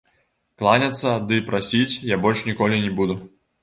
Кланяцца ды прасіць я больш ніколі не буду.